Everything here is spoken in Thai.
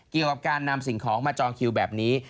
การนำสิ่งของมาจองคิวแบบนี้